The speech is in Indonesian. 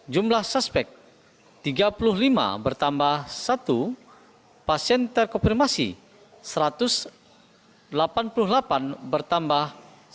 jumlah suspek tiga puluh lima bertambah satu pasien terkonfirmasi satu ratus delapan puluh delapan bertambah sembilan belas